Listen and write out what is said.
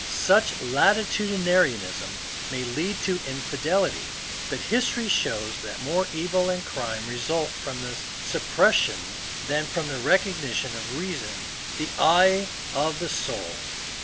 Such latitudinarianism may lead to infidelity, but history shows that more evil and crime result from the sup pression than from the recognition of reason, the eye of the soul.